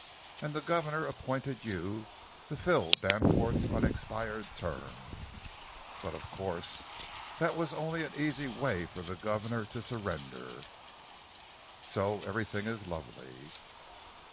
And the governor appointed you to fill Danforth's unexpired term. But, of course, that was only an easy way for the governor to surrender. So everything is lovely."